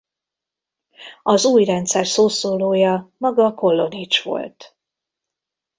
Az új rendszer szószólója maga Kollonich volt.